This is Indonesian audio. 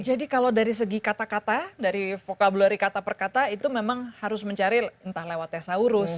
jadi kalau dari segi kata kata dari vocabulary kata per kata itu memang harus mencari entah lewat thesaurus